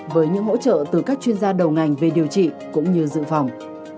với những hỗ trợ từ các chuyên gia đầu ngành về điều trị cũng như dự phòng